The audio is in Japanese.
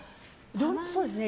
そうですね。